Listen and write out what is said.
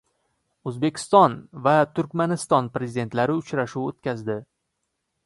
O‘zbekiston va Turkmaniston Prezidentlari uchrashuv o‘tkazdi